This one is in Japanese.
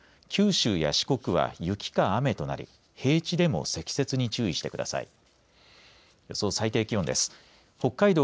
九州や四国は雪か雨となり平地でも積雪に注意してください。